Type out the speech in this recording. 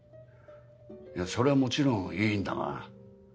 いやそれはもちろんいいんだが。